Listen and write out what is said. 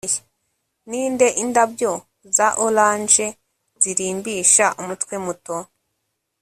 ninde indabyo za orange zirimbisha umutwe muto